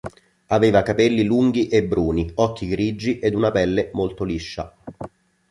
Aveva capelli lunghi e bruni, occhi grigi ed una pelle molto liscia.